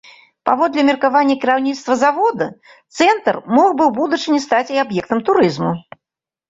Паводле меркавання кіраўніцтва завода, цэнтр мог бы ў будучыні стаць і аб'ектам турызму.